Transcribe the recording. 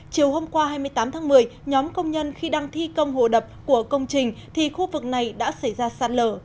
chiều hôm qua hai mươi tám tháng một mươi nhóm công nhân khi đang thi công hồ đập của công trình thì khu vực này đã xảy ra sạt lở